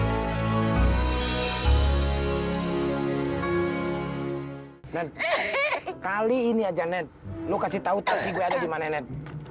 hai hai hai men kali ini aja net lo kasih tahu tahu ada di mana net